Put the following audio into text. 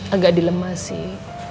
agak dilema sih